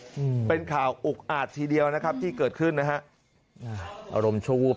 อืมเป็นข่าวอุกอาจทีเดียวนะครับที่เกิดขึ้นนะฮะอ่าอารมณ์ชั่ววูบ